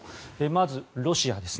まずロシアです。